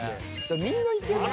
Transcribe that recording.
みんないける。